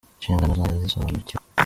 Incingano zange ndazisobanukiwe